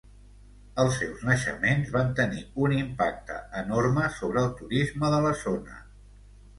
Els seus naixements van tenir un impacte enorme sobre el turisme de la zona.